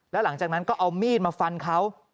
แล้วหลังจากนั้นก็เอามีดมาฟันเขา